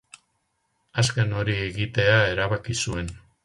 Azken hori egitea erabaki zuen.